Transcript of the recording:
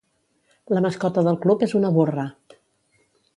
La mascota del club és una burra.